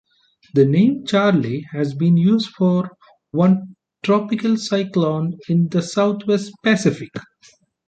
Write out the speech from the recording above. The name Charlie has been used for one tropical cyclone in the southwest Pacific.